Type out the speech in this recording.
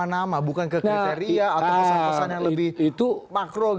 kenapa harus sampai ke nama nama bukan ke kriteria atau pesan pesan yang lebih makro gitu start